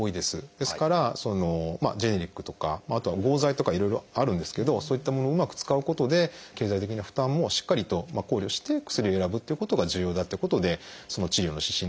ですからジェネリックとかあとは合剤とかいろいろあるんですけどそういったものをうまく使うことで経済的な負担もしっかりと考慮して薬を選ぶってことが重要だってことでその治療の指針では取り上げました。